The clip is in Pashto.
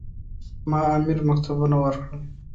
ما امیر مکتوبونه ورکړل.